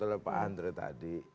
atau pak andre tadi